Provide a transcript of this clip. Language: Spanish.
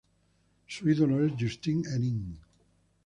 Su ídolo es Justine Henin.